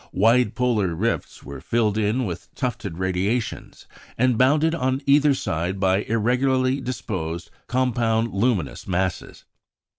Wide polar rifts were filled in with tufted radiations, and bounded on either side by irregularly disposed, compound luminous masses.